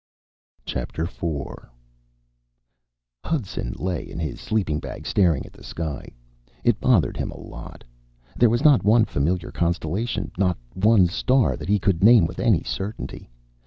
IV Hudson lay in his sleeping bag, staring at the sky. It bothered him a lot. There was not one familiar constellation, not one star that he could name with any certainty.